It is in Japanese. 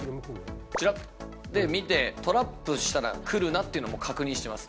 ちらっ、で見て、トラップしたら来るなっていうのも確認してます。